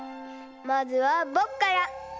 まずはぼくから。